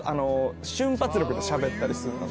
瞬発力でしゃべったりするのが。